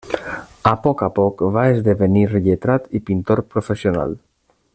A poc a poc va esdevenir lletrat i pintor professional.